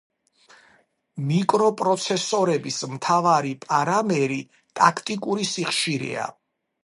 მიკროპროცესორების მთავარი პარამერი ტაქტიკური სიხშირეა.